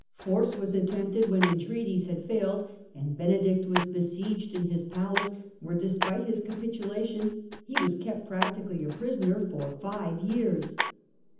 Force was attempted when entreaties had failed, and Benedict was besieged in his palace, where, despite his capitulation, he was kept prac tically a prisoner for five years.